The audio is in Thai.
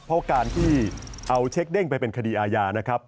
เพราะการที่เอาเช็คเด้งไปเป็นคดีอาญานะครับ